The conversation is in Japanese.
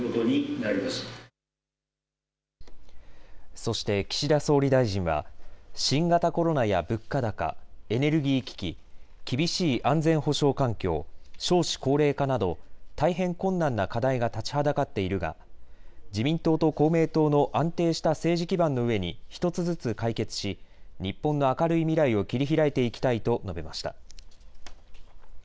そして岸田総理大臣は新型コロナや物価高、エネルギー危機、厳しい安全保障環境、少子高齢化など大変困難な課題が立ちはだかっているが自民党と公明党の安定した政治基盤の上に１つずつ解決し日本の明るい未来を切り開いていきたいと述べました。